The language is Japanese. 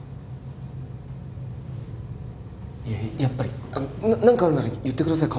やっぱり何かあるなら言ってください